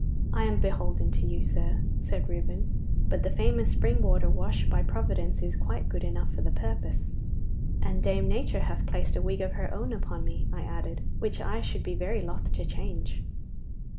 'I am beholden to you, sir,' said Reuben, 'but the famous spring water wash by Providence is quite good enough for the purpose.' 'And Dame Nature hath placed a wig of her own upon me,' I added, 'which I should be very loth to change.